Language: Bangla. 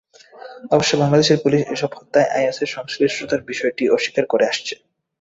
অবশ্য বাংলাদেশের পুলিশ এসব হত্যায় আইএসের সংশ্লিষ্টতার বিষয়টি অস্বীকার করে আসছে।